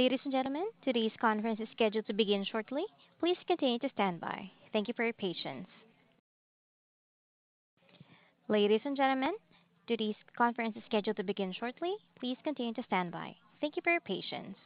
Ladies and gentlemen, today's conference is scheduled to begin shortly. Please continue to stand by. Thank you for your patience. Ladies and gentlemen, today's conference is scheduled to begin shortly. Please continue to stand by. Thank you for your patience.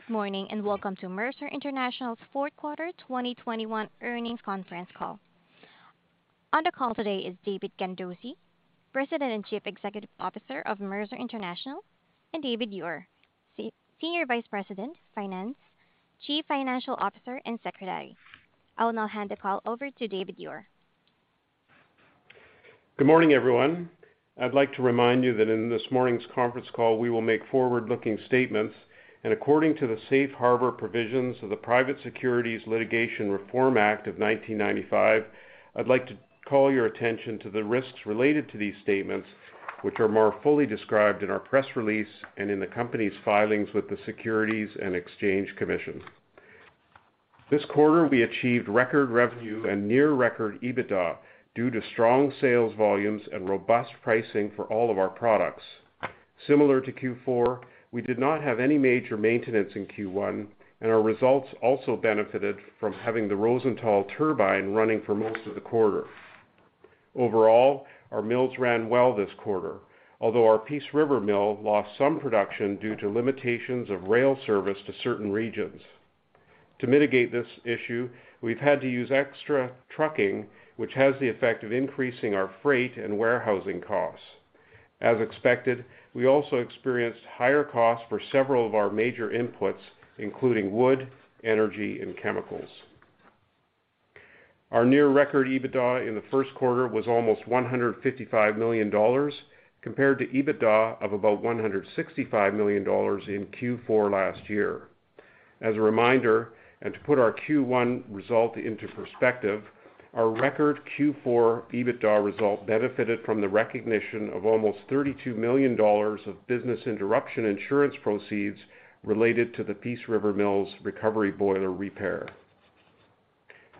Good morning and welcome to Mercer International's Fourth Quarter 2021 Earnings Conference Call. On the call today is David Gandossi, President and Chief Executive Officer of Mercer International, and David Ure, Senior Vice President, Finance, Chief Financial Officer and Secretary. I will now hand the call over to David Ure. Good morning, everyone. I'd like to remind you that in this morning's conference call, we will make forward-looking statements. According to the Safe Harbor Provisions of the Private Securities Litigation Reform Act of 1995, I'd like to call your attention to the risks related to these statements, which are more fully described in our press release and in the company's filings with the Securities and Exchange Commission. This quarter, we achieved record revenue and near record EBITDA due to strong sales volumes and robust pricing for all of our products. Similar to Q4, we did not have any major maintenance in Q1, and our results also benefited from having the Rosenthal turbine running for most of the quarter. Overall, our mills ran well this quarter, although our Peace River mill lost some production due to limitations of rail service to certain regions. To mitigate this issue, we've had to use extra trucking, which has the effect of increasing our freight and warehousing costs. As expected, we also experienced higher costs for several of our major inputs, including wood, energy and chemicals. Our near record EBITDA in the first quarter was almost $155 million compared to EBITDA of about $165 million in Q4 last year. As a reminder, and to put our Q1 result into perspective, our record Q4 EBITDA result benefited from the recognition of almost $32 million of business interruption insurance proceeds related to the Peace River Mill's recovery boiler repair.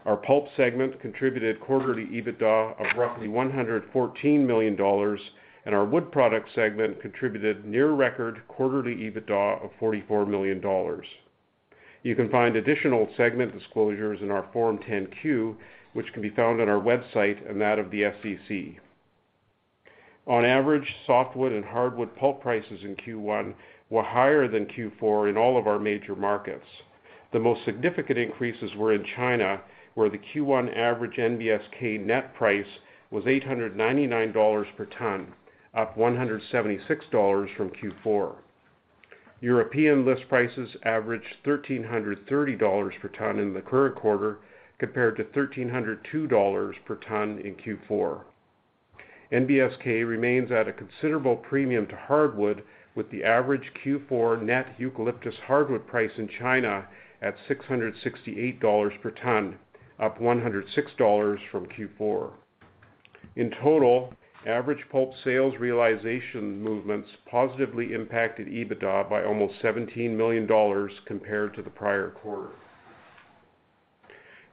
Our pulp segment contributed quarterly EBITDA of roughly $114 million, and our wood product segment contributed near record quarterly EBITDA of $44 million. You can find additional segment disclosures in our Form 10-Q, which can be found on our website and that of the SEC. On average, softwood and hardwood pulp prices in Q1 were higher than Q4 in all of our major markets. The most significant increases were in China, where the Q1 average NBSK net price was $899 per ton, up $176 from Q4. European list prices averaged $1,330 per ton in the current quarter, compared to $1,302 per ton in Q4. NBSK remains at a considerable premium to hardwood, with the average Q1 net eucalyptus hardwood price in China at $668 per ton, up $106 from Q4. In total, average pulp sales realization movements positively impacted EBITDA by almost $17 million compared to the prior quarter.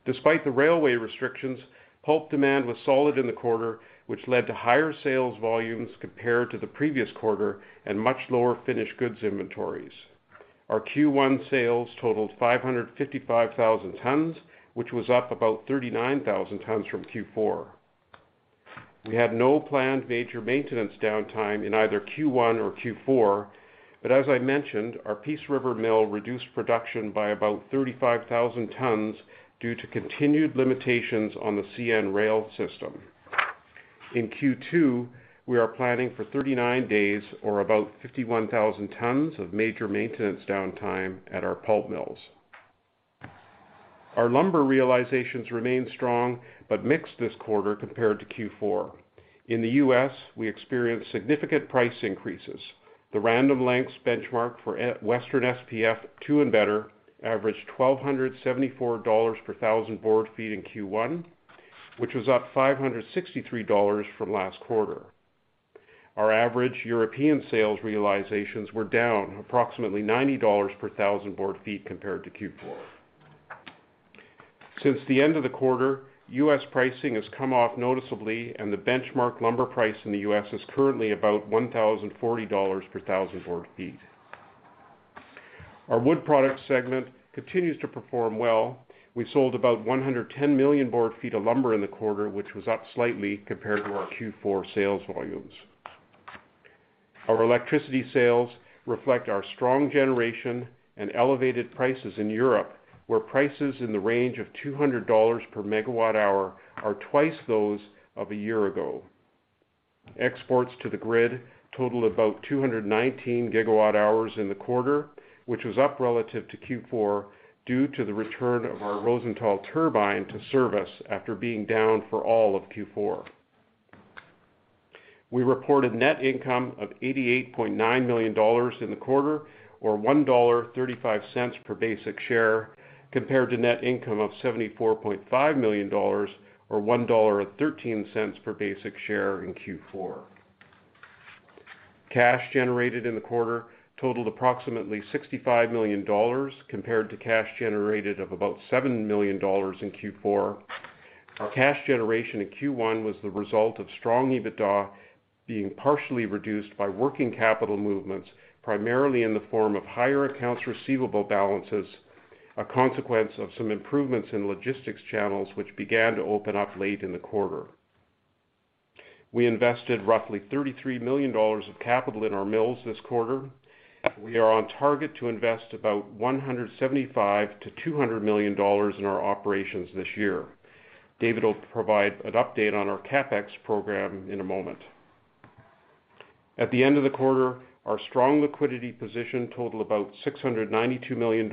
Despite the railway restrictions, pulp demand was solid in the quarter, which led to higher sales volumes compared to the previous quarter and much lower finished goods inventories. Our Q1 sales totaled 555,000 tons, which was up about 39,000 tons from Q4. We had no planned major maintenance downtime in either Q1 or Q4, but as I mentioned, our Peace River mill reduced production by about 35,000 tons due to continued limitations on the CN rail system. In Q2, we are planning for 39 days or about 51,000 tons of major maintenance downtime at our pulp mills. Our lumber realizations remain strong but mixed this quarter compared to Q4. In the U.S., we experienced significant price increases. The Random Lengths benchmark for Western SPF 2 and better averaged $1,274 per thousand board feet in Q1, which was up $563 from last quarter. Our average European sales realizations were down approximately $90 per thousand board feet compared to Q4. Since the end of the quarter, U.S. pricing has come off noticeably, and the benchmark lumber price in the U.S. is currently about $1,040 per thousand board feet. Our wood product segment continues to perform well. We sold about 110 million board feet of lumber in the quarter, which was up slightly compared to our Q4 sales volumes. Our electricity sales reflect our strong generation and elevated prices in Europe, where prices in the range of $200 per MWh are twice those of a year ago. Exports to the grid total about 219 GWh in the quarter, which was up relative to Q4 due to the return of our Rosenthal turbine to service after being down for all of Q4. We reported net income of $88.9 million in the quarter, or $1.35 per basic share, compared to net income of $74.5 million or $1.13 per basic share in Q4. Cash generated in the quarter totaled approximately $65 million compared to cash generated of about $7 million in Q4. Our cash generation in Q1 was the result of strong EBITDA being partially reduced by working capital movements, primarily in the form of higher accounts receivable balances, a consequence of some improvements in logistics channels, which began to open up late in the quarter. We invested roughly $33 million of capital in our mills this quarter. We are on target to invest about $175 million-$200 million in our operations this year. David will provide an update on our CapEx program in a moment. At the end of the quarter, our strong liquidity position totaled about $692 million,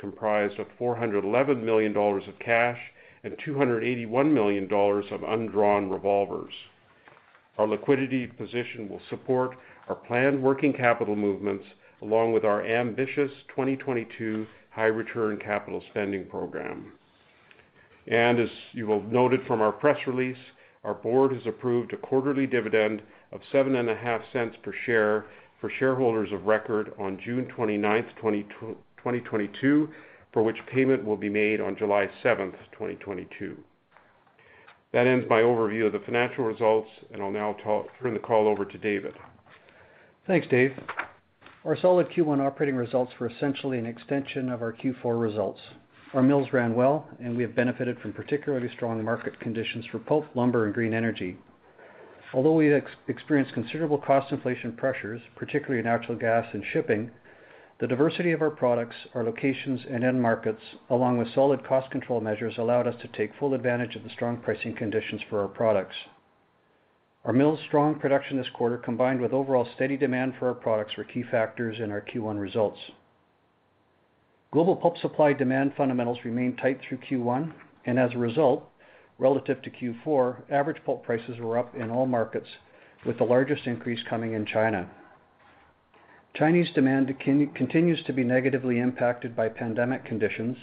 comprised of $411 million of cash and $281 million of undrawn revolvers. Our liquidity position will support our planned working capital movements along with our ambitious 2022 high return capital spending program. As you will have noted from our press release, our board has approved a quarterly dividend of $0.075 per share for shareholders of record on June 29th, 2022, for which payment will be made on July 7th, 2022. That ends my overview of the financial results, and I'll now turn the call over to David. Thanks, Dave. Our solid Q1 operating results were essentially an extension of our Q4 results. Our mills ran well, and we have benefited from particularly strong market conditions for pulp, lumber, and green energy. Although we experienced considerable cost inflation pressures, particularly in natural gas and shipping, the diversity of our products, our locations and end markets, along with solid cost control measures, allowed us to take full advantage of the strong pricing conditions for our products. Our mills' strong production this quarter, combined with overall steady demand for our products, were key factors in our Q1 results. Global pulp supply-demand fundamentals remained tight through Q1, and as a result, relative to Q4, average pulp prices were up in all markets, with the largest increase coming in China. Chinese demand continues to be negatively impacted by pandemic conditions.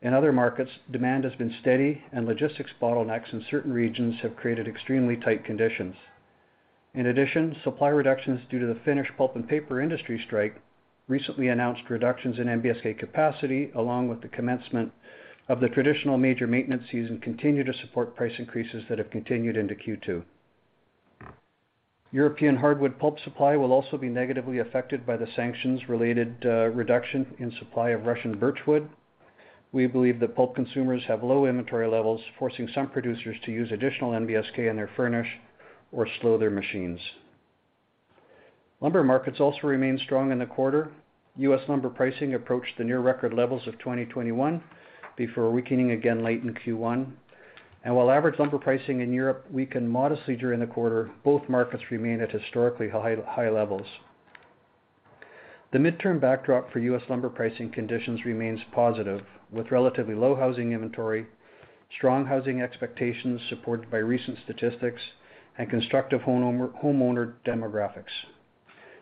In other markets, demand has been steady, and logistics bottlenecks in certain regions have created extremely tight conditions. In addition, supply reductions due to the Finnish pulp and paper industry strike recently announced reductions in NBSK capacity, along with the commencement of the traditional major maintenance season, continue to support price increases that have continued into Q2. European hardwood pulp supply will also be negatively affected by the sanctions related reduction in supply of Russian birchwood. We believe that pulp consumers have low inventory levels, forcing some producers to use additional NBSK in their furnish or slow their machines. Lumber markets also remained strong in the quarter. U.S. lumber pricing approached the near record levels of 2021 before weakening again late in Q1. While average lumber pricing in Europe weakened modestly during the quarter, both markets remained at historically high levels. The midterm backdrop for US lumber pricing conditions remains positive, with relatively low housing inventory, strong housing expectations supported by recent statistics, and constructive homeowner demographics.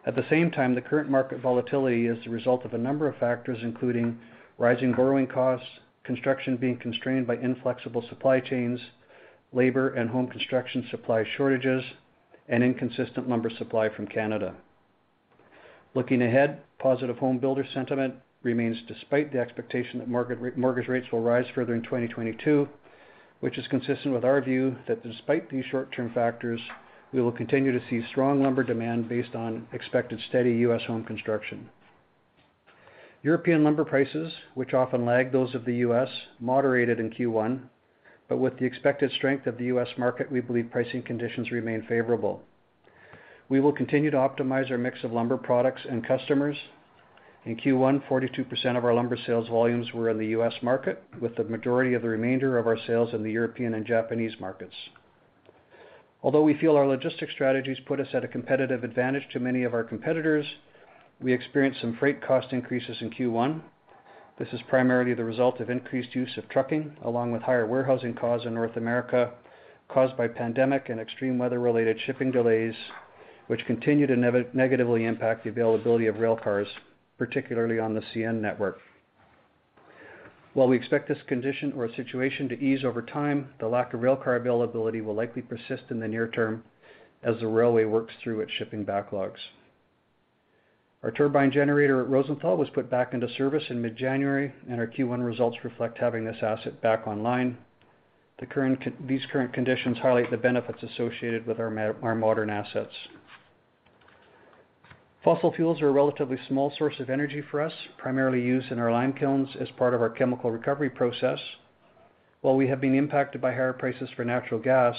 At the same time, the current market volatility is the result of a number of factors, including rising borrowing costs, construction being constrained by inflexible supply chains, labor and home construction supply shortages, and inconsistent lumber supply from Canada. Looking ahead, positive home builder sentiment remains despite the expectation that mortgage rates will rise further in 2022, which is consistent with our view that despite these short-term factors, we will continue to see strong lumber demand based on expected steady US home construction. European lumber prices, which often lag those of the US, moderated in Q1, but with the expected strength of the US market, we believe pricing conditions remain favorable. We will continue to optimize our mix of lumber products and customers. In Q1, 42% of our lumber sales volumes were in the U.S. market, with the majority of the remainder of our sales in the European and Japanese markets. Although we feel our logistics strategies put us at a competitive advantage to many of our competitors, we experienced some freight cost increases in Q1. This is primarily the result of increased use of trucking, along with higher warehousing costs in North America caused by pandemic and extreme weather-related shipping delays, which continue to negatively impact the availability of rail cars, particularly on the CN network. While we expect this condition or situation to ease over time, the lack of rail car availability will likely persist in the near term as the railway works through its shipping backlogs. Our turbine generator at Rosenthal was put back into service in mid-January, and our Q1 results reflect having this asset back online. These current conditions highlight the benefits associated with our modern assets. Fossil fuels are a relatively small source of energy for us, primarily used in our lime kilns as part of our chemical recovery process. While we have been impacted by higher prices for natural gas,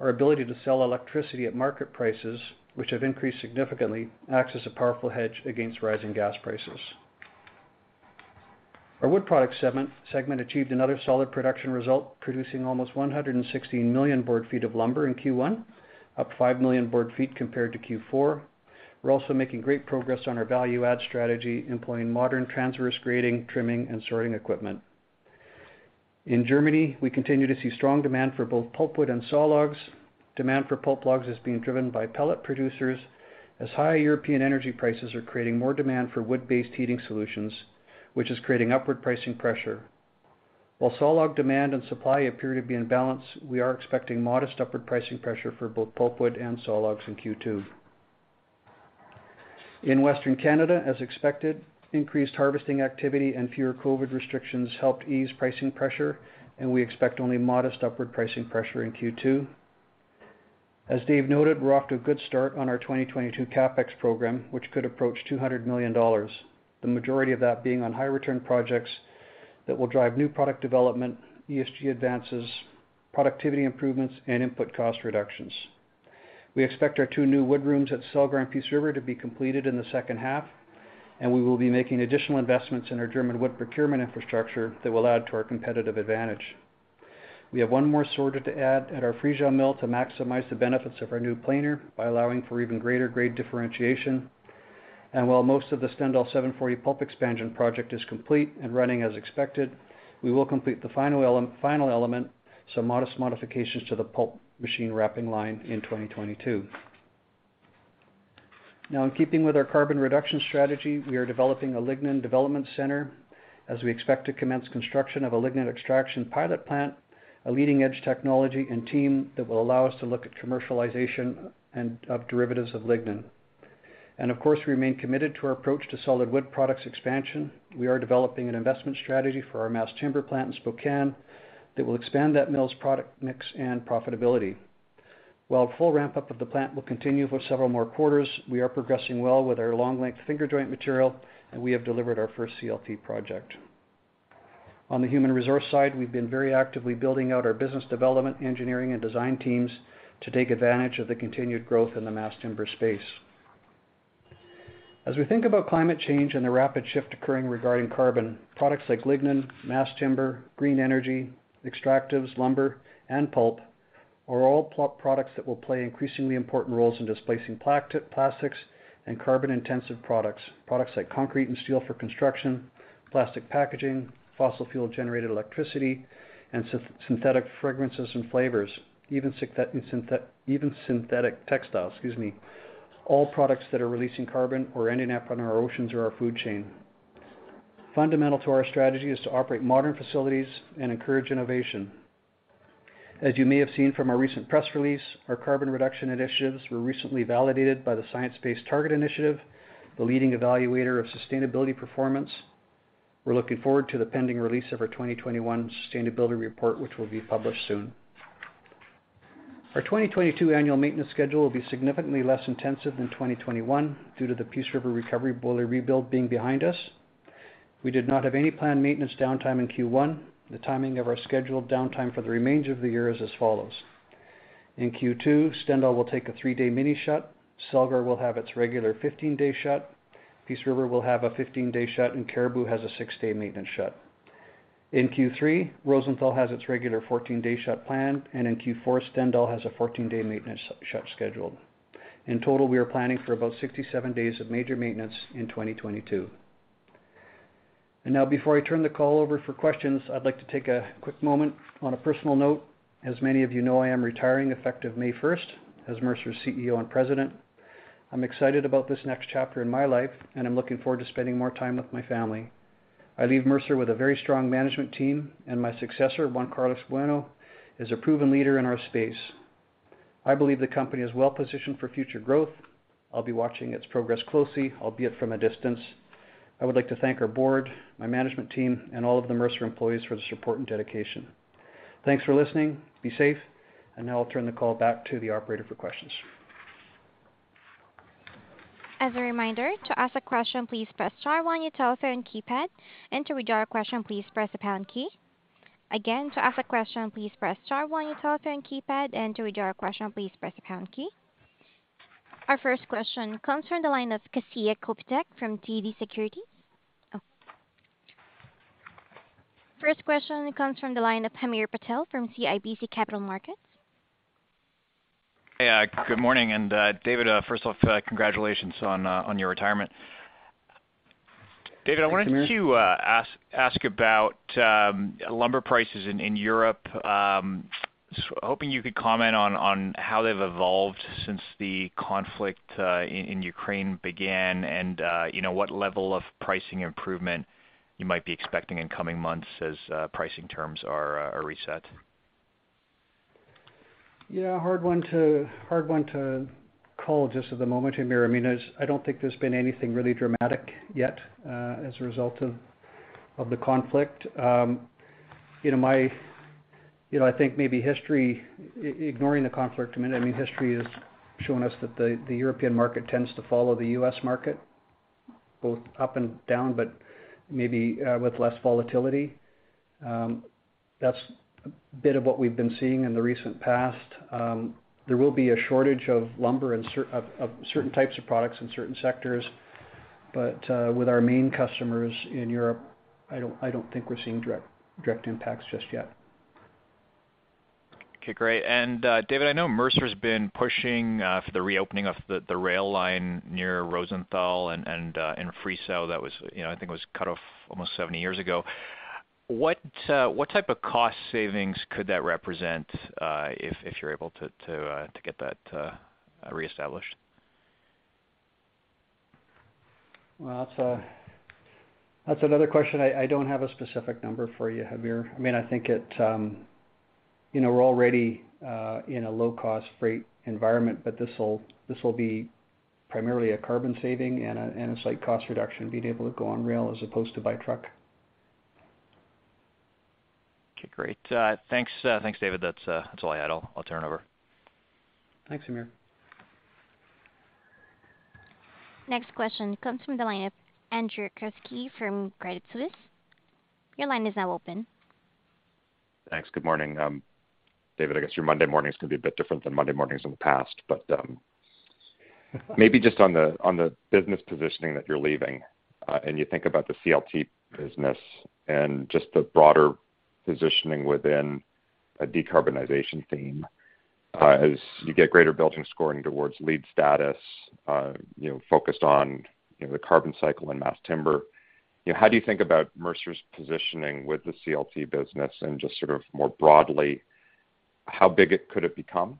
our ability to sell electricity at market prices, which have increased significantly, acts as a powerful hedge against rising gas prices. Our wood products segment achieved another solid production result, producing almost 116 million board feet of lumber in Q1, up 5 million board feet compared to Q4. We're also making great progress on our value add strategy, employing modern transverse grading, trimming, and sorting equipment. In Germany, we continue to see strong demand for both pulpwood and sawlogs. Demand for pulp logs is being driven by pellet producers as high European energy prices are creating more demand for wood-based heating solutions, which is creating upward pricing pressure. While sawlog demand and supply appear to be in balance, we are expecting modest upward pricing pressure for both pulpwood and sawlogs in Q2. In Western Canada, as expected, increased harvesting activity and fewer COVID restrictions helped ease pricing pressure, and we expect only modest upward pricing pressure in Q2. As Dave noted, we're off to a good start on our 2022 CapEx program, which could approach $200 million, the majority of that being on high return projects that will drive new product development, ESG advances, productivity improvements, and input cost reductions. We expect our 2 new wood rooms at Celgar and Peace River to be completed in the second half, and we will be making additional investments in our German wood procurement infrastructure that will add to our competitive advantage. We have 1 more sorter to add at our Friesau mill to maximize the benefits of our new planer by allowing for even greater grade differentiation. While most of the Stendal 740 pulp expansion project is complete and running as expected, we will complete the final element, some modest modifications to the pulp machine wrapping line in 2022. Now in keeping with our carbon reduction strategy, we are developing a Lignin Center as we expect to commence construction of a lignin extraction pilot plant, a leading-edge technology and team that will allow us to look at commercialization of derivatives of lignin. Of course, we remain committed to our approach to solid wood products expansion. We are developing an investment strategy for our mass timber plant in Spokane that will expand that mill's product mix and profitability. While full ramp-up of the plant will continue for several more quarters, we are progressing well with our long-length finger-jointed material, and we have delivered our first CLT project. On the human resource side, we've been very actively building out our business development, engineering, and design teams to take advantage of the continued growth in the mass timber space. As we think about climate change and the rapid shift occurring regarding carbon, products like lignin, mass timber, green energy, extractives, lumber, and pulp are all products that will play increasingly important roles in displacing plastics and carbon-intensive products like concrete and steel for construction, plastic packaging, fossil fuel-generated electricity, and synthetic fragrances and flavors, even synthetic textiles, excuse me, all products that are releasing carbon or ending up in our oceans or our food chain. Fundamental to our strategy is to operate modern facilities and encourage innovation. As you may have seen from our recent press release, our carbon reduction initiatives were recently validated by the Science Based Targets initiative, the leading evaluator of sustainability performance. We're looking forward to the pending release of our 2021 sustainability report, which will be published soon. Our 2022 annual maintenance schedule will be significantly less intensive than 2021 due to the Peace River recovery boiler rebuild being behind us. We did not have any planned maintenance downtime in Q1. The timing of our scheduled downtime for the remainder of the year is as follows. In Q2, Stendal will take a 3-day mini shut. Celgar will have its regular 15-day shut. Peace River will have a 15-day shut, and Cariboo has a 6-day maintenance shut. In Q3, Rosenthal has its regular 14-day shut planned, and in Q4, Stendal has a 14-day maintenance shut scheduled. In total, we are planning for about 67 days of major maintenance in 2022. Now before I turn the call over for questions, I'd like to take a quick moment on a personal note. As many of you know, I am retiring effective May first as Mercer's CEO and President. I'm excited about this next chapter in my life, and I'm looking forward to spending more time with my family. I leave Mercer with a very strong management team, and my successor, Juan Carlos Bueno, is a proven leader in our space. I believe the company is well-positioned for future growth. I'll be watching its progress closely, albeit from a distance. I would like to thank our board, my management team, and all of the Mercer employees for the support and dedication. Thanks for listening. Be safe. Now I'll turn the call back to the operator for questions. As a reminder, to ask a question, please press star one on your telephone keypad. To withdraw a question, please press the pound key. Again, to ask a question, please press star one on your telephone keypad. To withdraw a question, please press the pound key. Our first question comes from the line of Kasia Kopiec from TD Securities. First question comes from the line of Hamir Patel from CIBC Capital Markets. Yeah, good morning. David, first off, congratulations on your retirement. Thanks, Hamir. David, I wanted to ask about lumber prices in Europe. Hoping you could comment on how they've evolved since the conflict in Ukraine began and you know what level of pricing improvement you might be expecting in coming months as pricing terms are reset. Yeah, hard one to call just at the moment, Hamir. I mean, I don't think there's been anything really dramatic yet, as a result of the conflict. You know, I think maybe, ignoring the conflict, I mean, history has shown us that the European market tends to follow the U.S. market both up and down, but maybe with less volatility. That's a bit of what we've been seeing in the recent past. There will be a shortage of lumber and of certain types of products in certain sectors. With our main customers in Europe, I don't think we're seeing direct impacts just yet. Okay, great. David, I know Mercer's been pushing for the reopening of the rail line near Rosenthal and in Friesau that was, you know, I think it was cut off almost 70 years ago. What type of cost savings could that represent if you're able to get that reestablished? Well, that's another question I don't have a specific number for you, Hamir. I mean, I think it, you know, we're already in a low-cost freight environment, but this'll be primarily a carbon saving and a slight cost reduction being able to go on rail as opposed to by truck. Okay, great. Thanks, David. That's all I had. I'll turn it over. Thanks, Hamir. Next question comes from the line of Andrew Kuske from Credit Suisse. Your line is now open. Thanks. Good morning. David, I guess your Monday mornings can be a bit different than Monday mornings in the past. Maybe just on the business positioning that you're leaving, and you think about the CLT business and just the broader positioning within a decarbonization theme, as you get greater building scoring towards LEED status, you know, focused on, you know, the carbon cycle and mass timber. You know, how do you think about Mercer's positioning with the CLT business and just sort of more broadly, how big it could've become,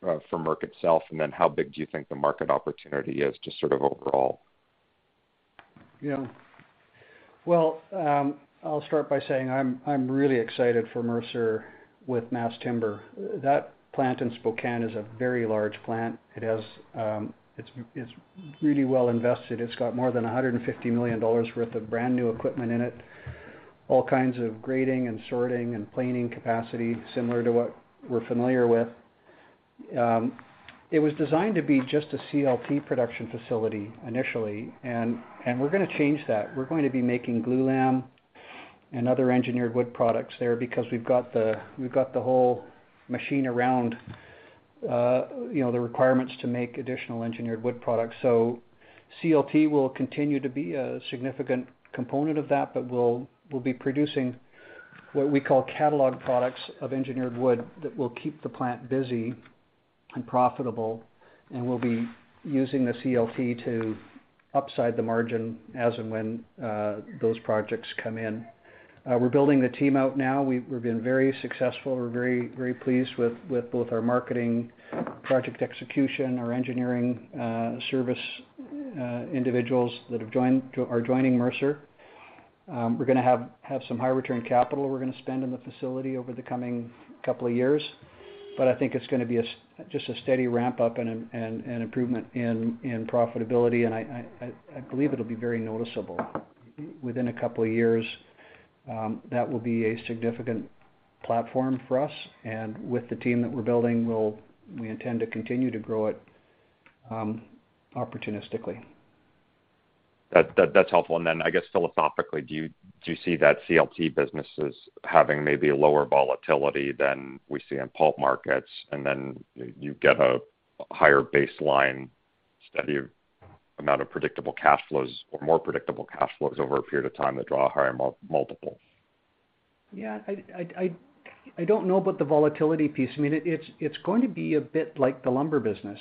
for Merc itself? And then how big do you think the market opportunity is just sort of overall? Yeah. Well, I'll start by saying I'm really excited for Mercer with mass timber. That plant in Spokane is a very large plant. It's really well invested. It's got more than $150 million worth of brand-new equipment in it, all kinds of grading and sorting and planing capacity similar to what we're familiar with. It was designed to be just a CLT production facility initially, and we're gonna change that. We're going to be making glulam and other engineered wood products there because we've got the whole machine around, you know, the requirements to make additional engineered wood products. CLT will continue to be a significant component of that, but we'll be producing what we call catalog products of engineered wood that will keep the plant busy and profitable, and we'll be using the CLT to upside the margin as and when those projects come in. We're building the team out now. We've been very successful. We're very, very pleased with both our marketing project execution, our engineering service individuals that are joining Mercer. We're gonna have some high return capital we're gonna spend in the facility over the coming couple of years. I think it's gonna be just a steady ramp-up and an improvement in profitability. I believe it'll be very noticeable. Within a couple of years, that will be a significant platform for us. With the team that we're building, we intend to continue to grow it opportunistically. That's helpful. Then I guess philosophically, do you see that CLT business as having maybe a lower volatility than we see in pulp markets, and then you get a higher baseline, steady amount of predictable cash flows or more predictable cash flows over a period of time that draw higher multiples? Yeah. I don't know about the volatility piece. I mean, it's going to be a bit like the lumber business.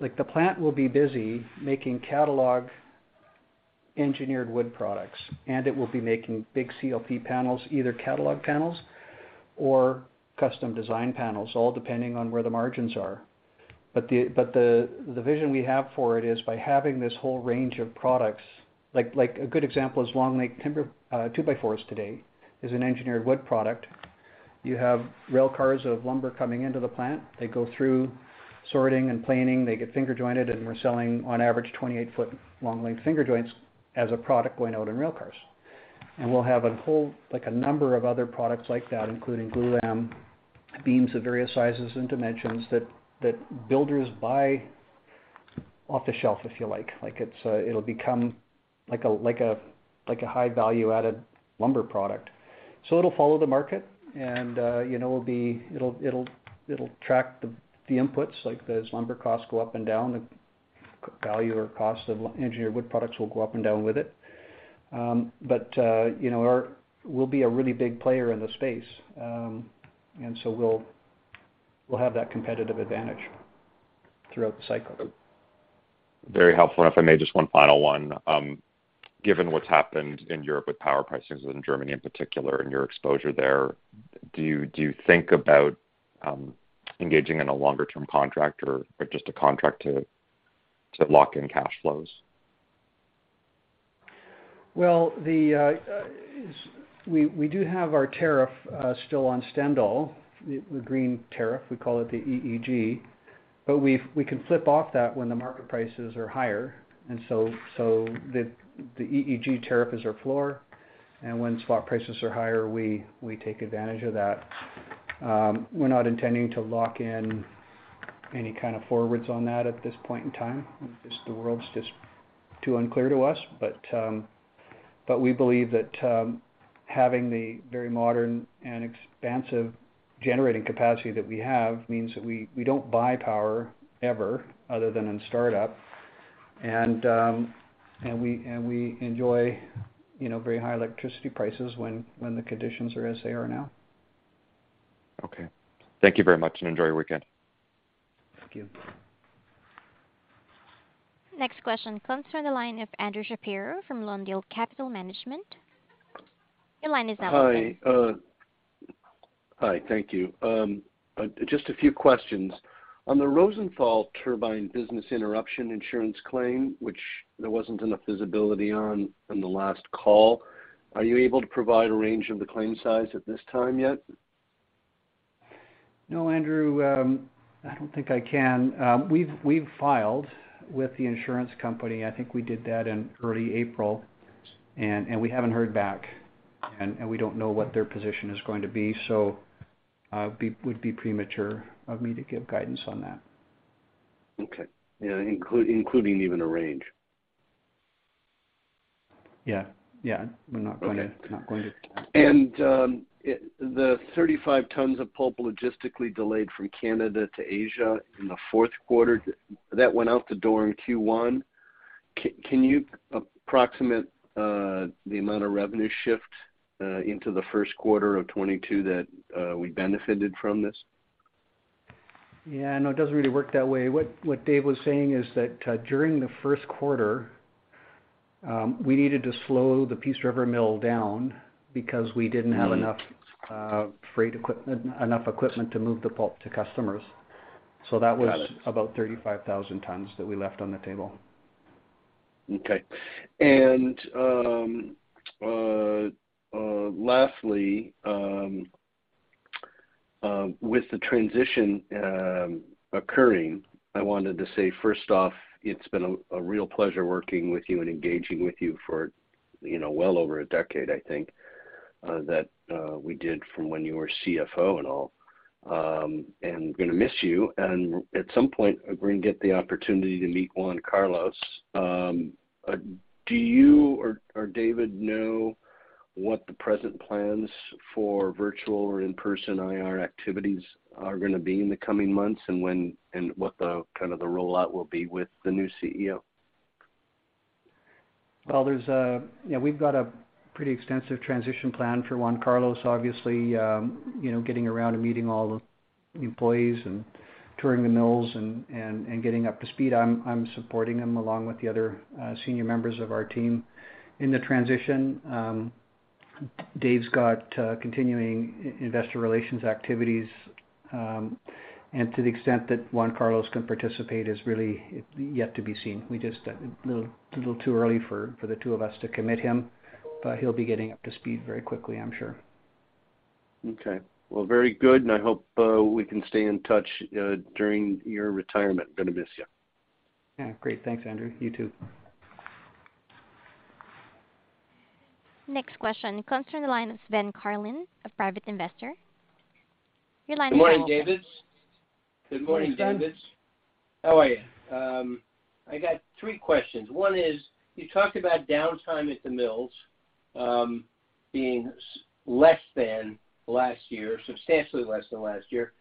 Like, the plant will be busy making catalog engineered wood products, and it will be making big CLT panels, either catalog panels or custom design panels, all depending on where the margins are. The vision we have for it is by having this whole range of products. Like, a good example is long-length timber. Two-by-fours today is an engineered wood product. You have rail cars of lumber coming into the plant. They go through sorting and planing. They get finger jointed, and we're selling on average 28-foot long-length finger joints as a product going out in rail cars. We'll have a whole, like, a number of other products like that, including glulam, beams of various sizes and dimensions that builders buy off the shelf, if you like. Like, it'll become like a high value-added lumber product. It'll follow the market and, you know, it'll track the inputs. Like, as lumber costs go up and down, the value or cost of engineered wood products will go up and down with it. You know, we'll be a really big player in the space. We'll have that competitive advantage throughout the cycle. Very helpful. If I may, just one final one. Given what's happened in Europe with power prices, in Germany in particular, and your exposure there, do you think about engaging in a longer term contract or just a contract to lock in cash flows? Well, we do have our tariff still on Stendal, the green tariff, we call it the EEG. But we can flip off that when the market prices are higher. So the EEG tariff is our floor. When spot prices are higher, we take advantage of that. We're not intending to lock in any kind of forwards on that at this point in time. Just the world's too unclear to us. But we believe that having the very modern and expansive generating capacity that we have means that we don't buy power ever other than in startup. We enjoy, you know, very high electricity prices when the conditions are as they are now. Okay. Thank you very much, and enjoy your weekend. Thank you. Next question comes from the line of Andrew Shapiro from Lawndale Capital Management. Your line is now open. Hi. Thank you. Just a few questions. On the Rosenthal turbine business interruption insurance claim, which there wasn't enough visibility on from the last call, are you able to provide a range of the claim size at this time yet? No, Andrew, I don't think I can. We've filed with the insurance company. I think we did that in early April, and we haven't heard back, and we don't know what their position is going to be. Would be premature of me to give guidance on that. Okay. Yeah, including even a range. Yeah. We're not going to. Okay not going to. The 35 tons of pulp logistically delayed from Canada to Asia in the fourth quarter that went out the door in Q1, can you approximate the amount of revenue shift into the first quarter of 2022 that we benefited from this? Yeah, no, it doesn't really work that way. What Dave was saying is that during the first quarter, we needed to slow the Peace River mill down because we didn't have enough- Mm-hmm enough equipment to move the pulp to customers. Got it. That was about 35,000 tons that we left on the table. Lastly, with the transition occurring, I wanted to say, first off, it's been a real pleasure working with you and engaging with you for, you know, well over a decade, I think, that we did from when you were CFO and all. I'm gonna miss you. At some point, we're gonna get the opportunity to meet Juan Carlos Bueno. Do you or David know what the present plans for virtual or in-person IR activities are gonna be in the coming months, and when, and what the kind of rollout will be with the new CEO? Well, you know, we've got a pretty extensive transition plan for Juan Carlos. Obviously, you know, getting around and meeting all the employees and touring the mills and getting up to speed. I'm supporting him along with the other senior members of our team in the transition. Dave's got continuing investor relations activities. To the extent that Juan Carlos can participate is really yet to be seen. We just a little too early for the two of us to commit him, but he'll be getting up to speed very quickly, I'm sure. Okay. Well, very good. I hope we can stay in touch during your retirement. Gonna miss you. Yeah. Great. Thanks, Andrew. You too. Next question comes from the line of Sven Carlin, a private investor. Your line is now open. Good morning, David. Good morning, David. Good morning, Sven. How are you? I got three questions. One is, you talked about downtime at the mills, being less than last year, substantially less than last year,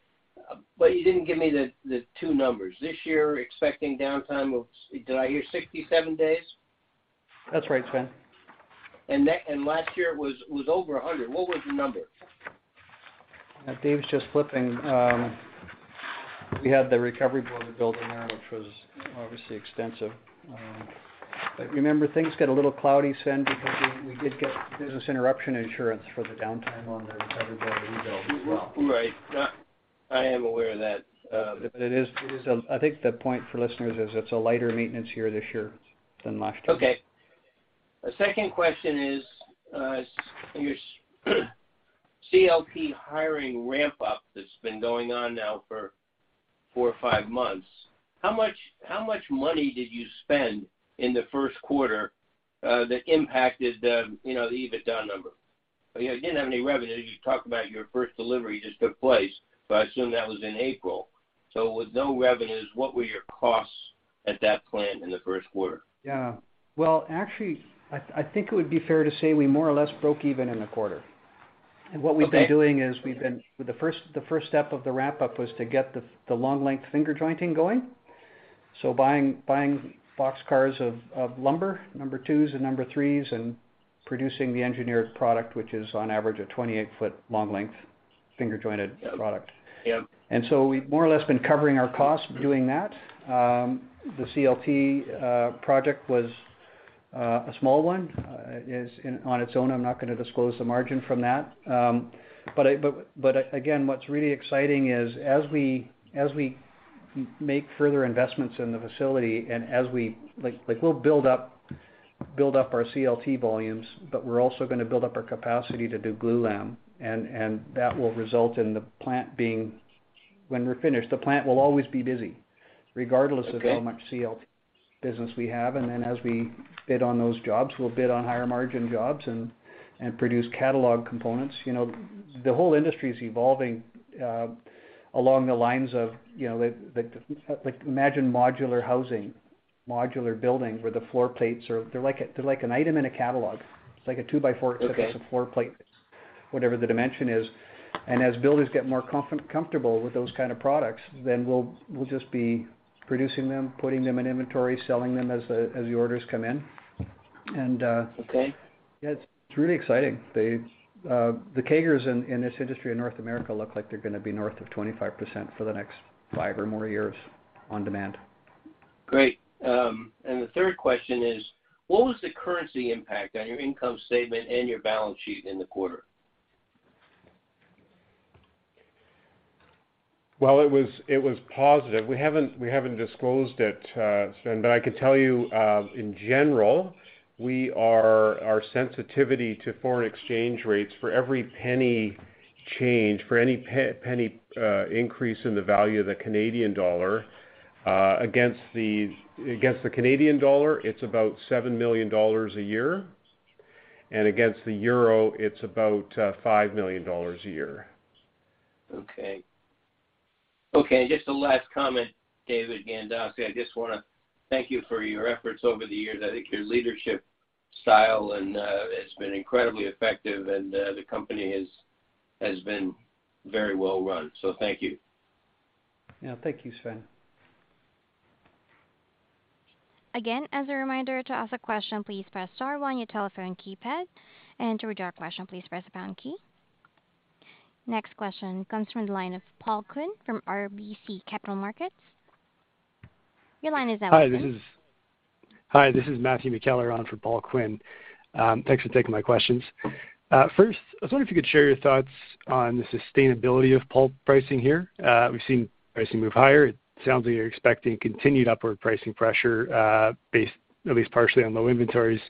but you didn't give me the two numbers. This year, expecting downtime of, did I hear 67 days? That's right, Sven. Last year it was over a hundred. What was the number? David's just flipping. We had the recovery building there, which was obviously extensive. Remember, things get a little cloudy, Sven, because we did get business interruption insurance for the downtime on the other part of the rebuild as well. Right. I am aware of that. I think the point for listeners is it's a lighter maintenance year this year than last year. Okay. The second question is, your CLT hiring ramp-up that's been going on now for four or five months, how much money did you spend in the first quarter, that impacted the, you know, the EBITDA number? You know, you didn't have any revenue. You talked about your first delivery just took place, but I assume that was in April. With no revenues, what were your costs at that plant in the first quarter? Yeah. Well, actually, I think it would be fair to say we more or less broke even in the quarter. Okay. What we've been doing is we've been. The first step of the ramp-up was to get the long-length finger jointing going. Buying box cars of lumber, number twos and number threes, and producing the engineered product, which is on average a 28-foot long-length finger-jointed product. Yep. We've more or less been covering our costs doing that. The CLT project was a small one. On its own, I'm not gonna disclose the margin from that. But again, what's really exciting is, as we make further investments in the facility and as we like we'll build up our CLT volumes, but we're also gonna build up our capacity to do glulam, and that will result in the plant being. When we're finished, the plant will always be busy regardless of. Okay. How much CLT business we have. Then as we bid on those jobs, we'll bid on higher margin jobs and produce catalog components. You know, the whole industry is evolving along the lines of, you know, the like imagine modular housing, modular building where the floor plates are. They're like an item in a catalog, like a two by four. Okay. Like it's a floor plate, whatever the dimension is. As builders get more comfortable with those kind of products, then we'll just be producing them, putting them in inventory, selling them as the orders come in. Okay. Yeah, it's really exciting. The CAGRs in this industry in North America look like they're gonna be north of 25% for the next five or more years on demand. Great. The third question is, what was the currency impact on your income statement and your balance sheet in the quarter? Well, it was positive. We haven't disclosed it, Sven, but I could tell you in general, our sensitivity to foreign exchange rates, for every penny change, for any penny increase in the value of the Canadian dollar against the U.S. dollar, it's about $7 million a year. Against the euro, it's about $5 million a year. Okay. Okay, just a last comment, David Gandossi. I just wanna thank you for your efforts over the years. I think your leadership style and has been incredibly effective, and the company has been very well run. Thank you. Yeah. Thank you, Sven. Again, as a reminder, to ask a question, please press star one on your telephone keypad. To withdraw a question, please press the pound key. Next question comes from the line of Paul Quinn from RBC Capital Markets. Your line is open. Hi, this is Matthew McKellar on for Paul Quinn. Thanks for taking my questions. First, I was wondering if you could share your thoughts on the sustainability of pulp pricing here. We've seen pricing move higher. It sounds like you're expecting continued upward pricing pressure, based at least partially on low inventories.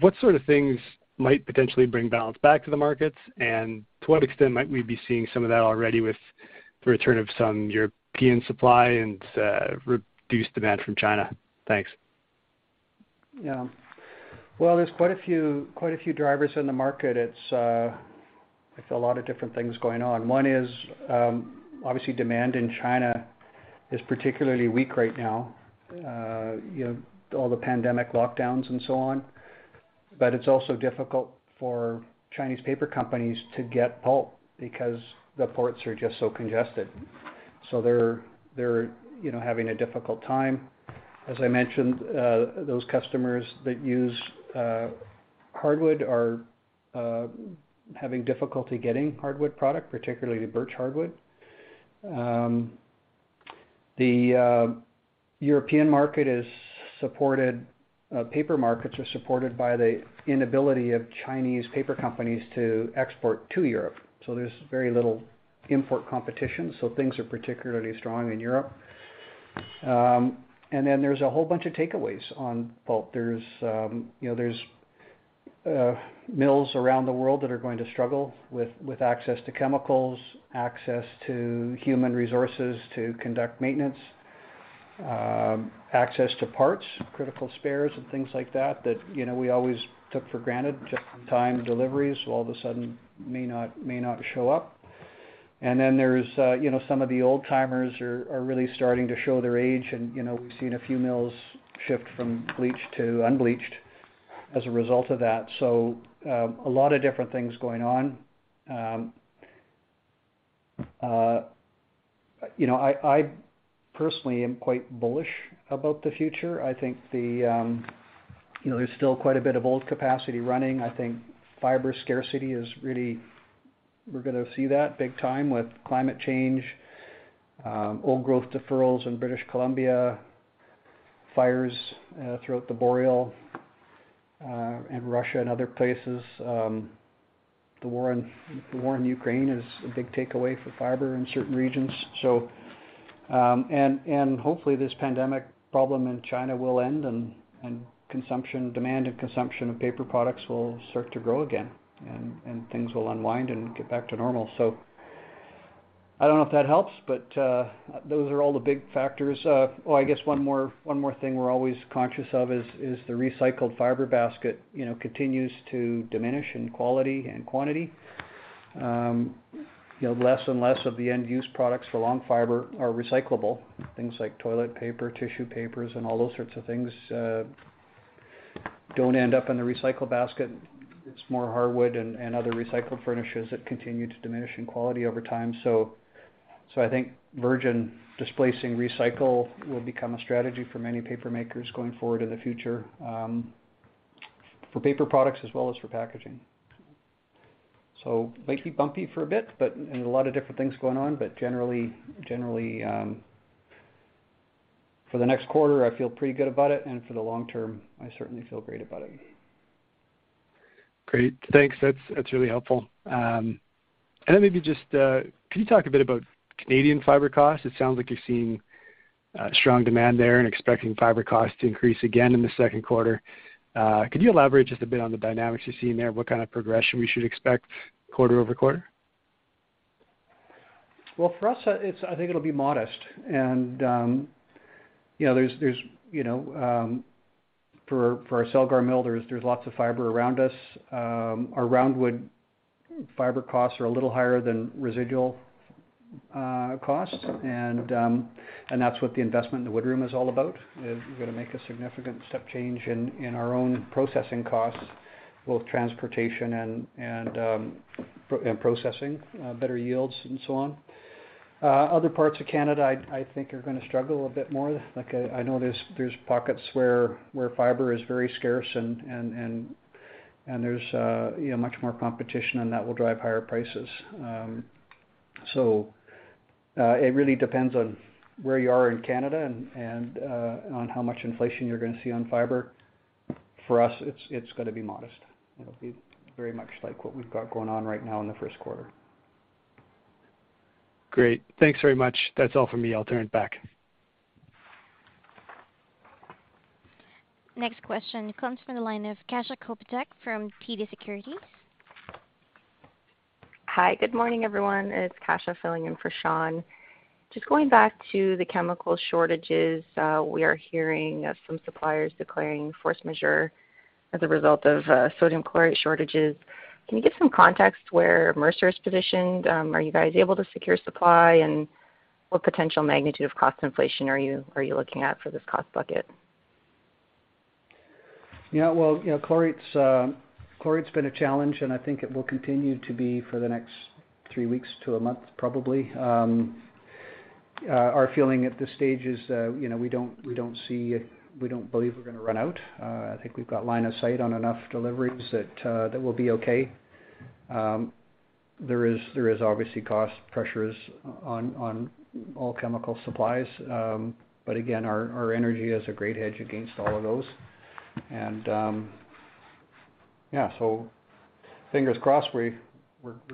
What sort of things might potentially bring balance back to the markets? To what extent might we be seeing some of that already with the return of some European supply and reduced demand from China? Thanks. Yeah. Well, there's quite a few drivers in the market. It's, I feel lot of different things going on. One is obviously demand in China is particularly weak right now, you know, all the pandemic lockdowns and so on. It's also difficult for Chinese paper companies to get pulp because the ports are just so congested, so they're you know, having a difficult time. As I mentioned, those customers that use hardwood are having difficulty getting hardwood product, particularly the birch hardwood. Paper markets are supported by the inability of Chinese paper companies to export to Europe, so there's very little import competition, so things are particularly strong in Europe. Then there's a whole bunch of takeaways on pulp. You know, there are mills around the world that are going to struggle with access to chemicals, access to human resources to conduct maintenance, access to parts, critical spares and things like that you know, we always took for granted. Just in time deliveries all of a sudden may not show up. Then there's you know, some of the old-timers are really starting to show their age. You know, we've seen a few mills shift from bleached to unbleached as a result of that. A lot of different things going on. You know, I personally am quite bullish about the future. I think you know, there's still quite a bit of old capacity running. I think fiber scarcity is really. We're gonna see that big time with climate change, old growth deferrals in British Columbia, fires, throughout the Boreal, and Russia and other places. The war in Ukraine is a big takeaway for fiber in certain regions. Hopefully this pandemic problem in China will end, and demand and consumption of paper products will start to grow again, and things will unwind and get back to normal. I don't know if that helps, but those are all the big factors. I guess one more thing we're always conscious of is the recycled fiber basket, you know, continues to diminish in quality and quantity. You know, less and less of the end-use products for long fiber are recyclable. Things like toilet paper, tissue papers, and all those sorts of things don't end up in the recycle basket. It's more hardwood and other recycled furnishes that continue to diminish in quality over time. I think virgin displacing recycle will become a strategy for many paper makers going forward in the future, for paper products as well as for packaging. It might be bumpy for a bit. A lot of different things going on, but generally, for the next quarter I feel pretty good about it, and for the long term I certainly feel great about it. Great. Thanks. That's really helpful. Maybe just can you talk a bit about Canadian fiber costs? It sounds like you're seeing strong demand there and expecting fiber costs to increase again in the second quarter. Could you elaborate just a bit on the dynamics you're seeing there? What kind of progression we should expect quarter-over-quarter? Well, for us, it's, I think it'll be modest. You know, there's you know, for our Celgar mill, there's lots of fiber around us. Our roundwood fiber costs are a little higher than residual costs and that's what the investment in the wood room is all about. We're gonna make a significant step change in our own processing costs, both transportation and in processing, better yields and so on. Other parts of Canada, I think are gonna struggle a bit more. Like I know there's pockets where fiber is very scarce and there's you know, much more competition, and that will drive higher prices. It really depends on where you are in Canada and on how much inflation you're gonna see on fiber. For us it's gonna be modest. It'll be very much like what we've got going on right now in the first quarter. Great. Thanks very much. That's all for me. I'll turn it back. Next question comes from the line of Kasia Trzaski Kopytek from TD Securities. Hi, good morning, everyone. It's Kasia filling in for Sean. Just going back to the chemical shortages, we are hearing of some suppliers declaring force majeure as a result of sodium chlorate shortages. Can you give some context where Mercer is positioned? Are you guys able to secure supply, and what potential magnitude of cost inflation are you looking at for this cost bucket? Yeah. Well, you know, chlorate's been a challenge, and I think it will continue to be for the next three weeks to a month probably. Our feeling at this stage is we don't believe we're gonna run out. I think we've got line of sight on enough deliveries that we'll be okay. There is obviously cost pressures on all chemical supplies. But again, our energy is a great hedge against all of those. Fingers crossed we're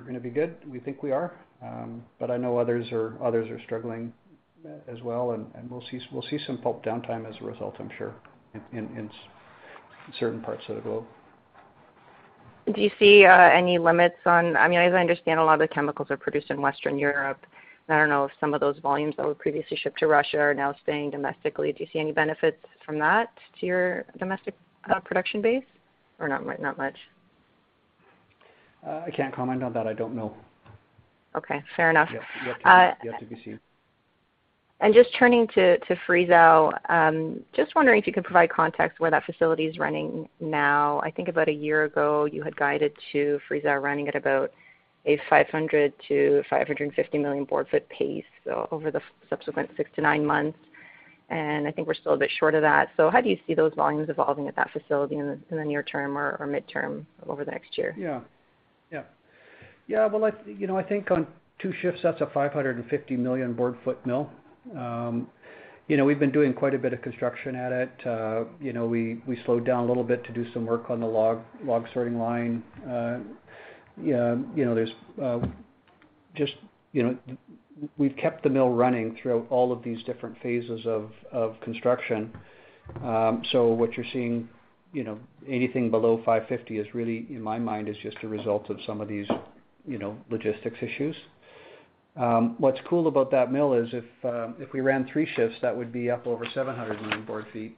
gonna be good. We think we are. I know others are struggling as well, and we'll see some pulp downtime as a result, I'm sure, in certain parts of the globe. Do you see any limits on, I mean, as I understand, a lot of the chemicals are produced in Western Europe. I don't know if some of those volumes that were previously shipped to Russia are now staying domestically. Do you see any benefits from that to your domestic production base or not much? I can't comment on that. I don't know. Okay. Fair enough. Yet to be seen. Just turning to Friesau, just wondering if you could provide context where that facility's running now. I think about a year ago you had guided to Friesau running at about a 500-550 million board feet pace, so over the subsequent 6-9 months, and I think we're still a bit short of that. How do you see those volumes evolving at that facility in the near term or mid-term over the next year? Yeah. Well, you know, I think on two shifts that's a 550 million board foot mill. You know, we've been doing quite a bit of construction at it. You know, we slowed down a little bit to do some work on the log sorting line. You know, there's just, you know, we've kept the mill running throughout all of these different phases of construction. So what you're seeing, you know, anything below 550 is really, in my mind, just a result of some of these, you know, logistics issues. What's cool about that mill is if we ran three shifts, that would be up over 700 million board feet.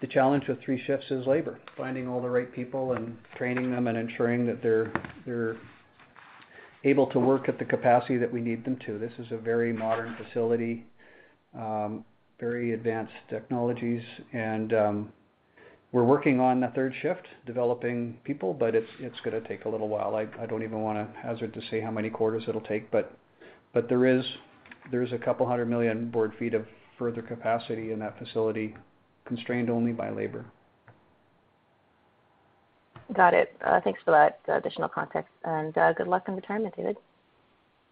The challenge with three shifts is labor, finding all the right people and training them and ensuring that they're able to work at the capacity that we need them to. This is a very modern facility, very advanced technologies, and we're working on a third shift, developing people, but it's gonna take a little while. I don't even wanna hazard to say how many quarters it'll take, but there is 200 million board feet of further capacity in that facility, constrained only by labor. Got it. Thanks for that additional context. Good luck on retirement, David.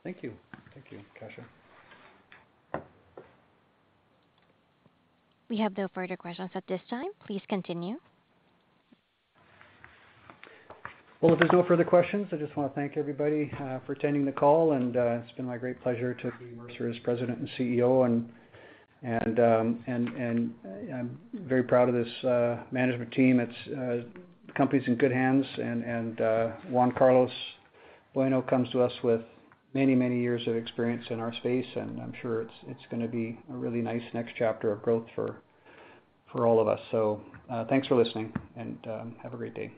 Thank you. Thank you, Kasia. We have no further questions at this time. Please continue. Well, if there's no further questions, I just wanna thank everybody for attending the call, and it's been my great pleasure to be Mercer's President and CEO, and I'm very proud of this management team. It's the company's in good hands and Juan Carlos Bueno comes to us with many, many years of experience in our space, and I'm sure it's gonna be a really nice next chapter of growth for all of us. Thanks for listening and have a great day.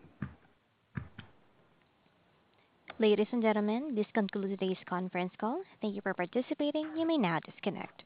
Ladies and gentlemen, this concludes today's conference call. Thank you for participating. You may now disconnect.